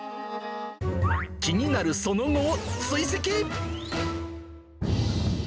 気になるその後を追跡。